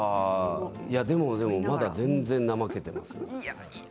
まだ全然、怠けてます。